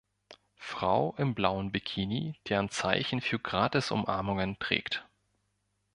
Frau im blauen Bikini, die ein Zeichen für Gratis-Umarmungen trägt.